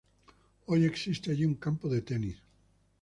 Hoy existe allí un campo de tenis.